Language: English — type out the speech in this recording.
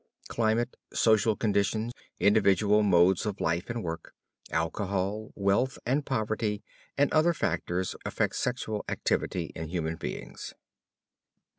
Climate, social conditions, individual modes of life and work, alcohol, wealth and poverty, and other factors affect sexual activity in human beings.